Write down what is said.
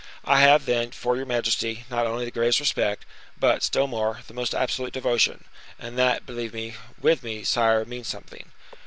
I have, then, for your majesty, not only the greatest respect, but, still more, the most absolute devotion; and that, believe me, with me, sire, means something.